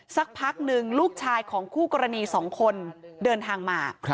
สักพักหนึ่งลูกชายของคู่กรณี๒คนเดินทางมา